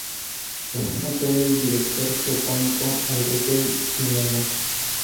Su hermano fue el director sinfónico Enrique Gimeno.